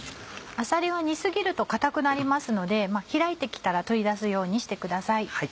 あさりは煮過ぎると硬くなりますので開いて来たら取り出すようにしてください。